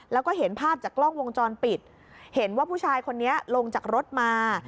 แล้วก็เห็นภาพจากกล้องวงจรปิดเห็นว่าผู้ชายคนนี้ลงจากรถมา